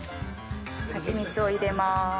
ハチミツを入れます。